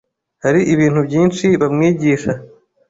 Hari ibintu byinshi bamwigisha